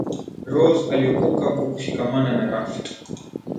rose aliokoka kwa kushikamana na raft